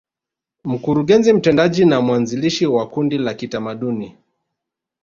Mkurugenzi Mtendaji na mwanzilishi wa Kundi la kitamaduni